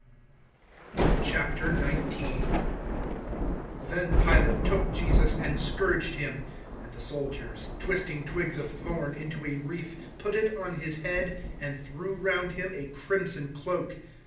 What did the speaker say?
019:001 Then Pilate took Jesus and scourged Him. 019:002 And the soldiers, twisting twigs of thorn into a wreath, put it on His head, and threw round Him a crimson cloak.